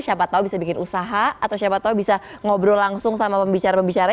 siapa tahu bisa bikin usaha atau siapa tahu bisa ngobrol langsung sama pembicara pembicaranya